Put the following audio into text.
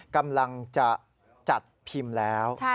กำลังจะจัดพิมพ์แล้ว